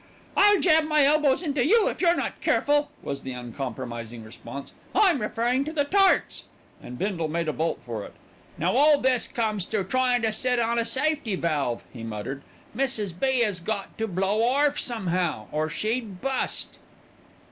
"I'll jab my elbows into you, if you're not careful," was the uncompromising response. "I'm referring to the tarts." And Bindle made a bolt for it. "Now this all comes through tryin' to sit on a safety valve," he muttered. "Mrs. B. 'as got to blow orf some'ow, or she'd bust."